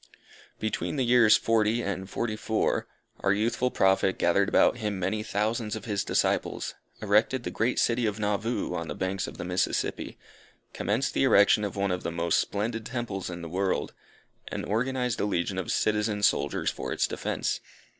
Between the years 'forty, and 'forty four, our youthful Prophet gathered about him many thousands of his disciples; erected the great city of Nauvoo, on the banks of the Mississippi; commenced the erection of one of the most splendid temples in the world; and organized a legion of citizen soldiers for its defence.